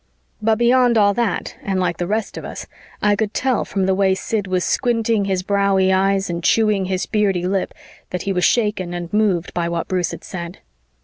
But beyond all that, and like the rest of us, I could tell from the way Sid was squinting his browy eyes and chewing his beardy lip that he was shaken and moved by what Bruce had said.